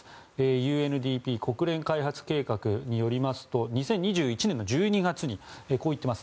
ＵＮＤＰ・国連開発計画によりますと２０２１年の１２月にこう言っています。